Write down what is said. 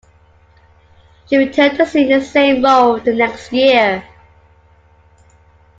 She returned to sing the same role the next year.